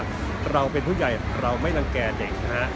นังเอกเป็นผู้ใหญ่เราไม่รังแกเด็ก